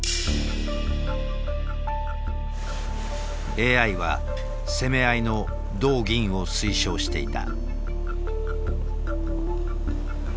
ＡＩは攻め合いの同銀を推奨していた。